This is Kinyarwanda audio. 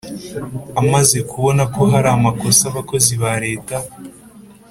Amaze kubona ko hari amakosa abakozi ba Leta